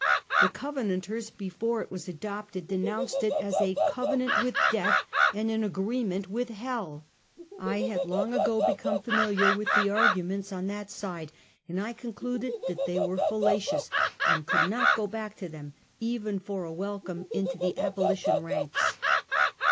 The Covenanters, before it was adopted, denounced it as a " Covenant with death and an agreement with hell." I had long ago become familiar with the arguments on that side, and I concluded they were fallacious, and could not go back to them even for a welcome into the abolition ranks.